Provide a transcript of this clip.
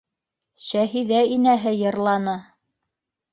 Шәһиҙә инәһе йырланы.